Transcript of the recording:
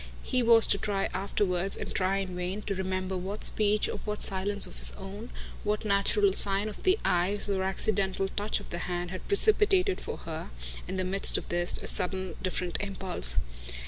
He was to try afterwards, and try in vain, to remember what speech or what silence of his own, what natural sign of the eyes or accidental touch of the hand, had precipitated for her, in the midst of this, a sudden different impulse.